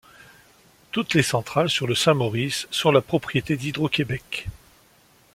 Toutes les centrales sur le Saint-Maurice sont la propriété d'Hydro-Québec.